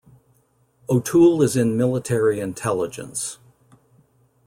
O'Toole is in Military Intelligence.